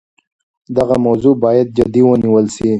دغه موضوع باید جدي ونیول سي.